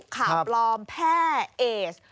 ขาบลอมแพร่เอดสต์